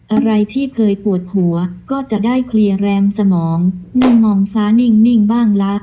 อะไรที่เคยปวดหัวก็จะได้เคลียร์แรมสมองนั่งมองฟ้านิ่งบ้างละ